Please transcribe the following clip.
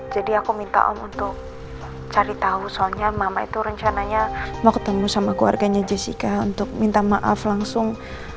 jadi aku minta om untuk cari tahu soalnya mama itu rencananya mau ketemu sama keluarganya jessica untuk minta maaf langsung